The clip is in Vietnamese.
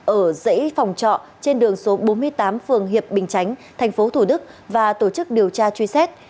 ở dãy phòng trọ trên đường số bốn mươi tám phường hiệp bình chánh tp thủ đức và tổ chức điều tra truy xét